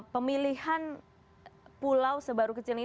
pemilihan pulau sebaru kecil